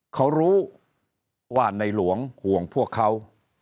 เขารู้ว่าในหลวงห่วงพวกเขา